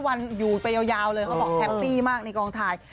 วันอยู่ตัวยาวเลยเขาบอกแฮปปี้มากในกองถ่าย